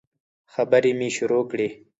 خبري مي شروع کړې !